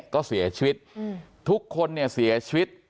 ก็เสียชีวิตทุกคนเนี่ยเสียชีวิต